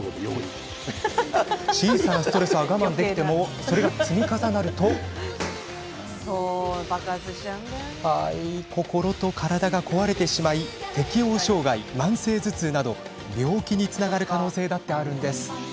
小さなストレスは我慢できてもそれが積み重なると心と体が壊れてしまい適応障害、慢性頭痛など病気につながる可能性だってあるんです。